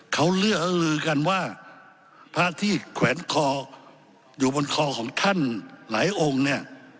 เขาเลื้ออื้อลือกันว่าพระที่แขวนคออยู่บนคอของท่านหลายองค์เนี่ย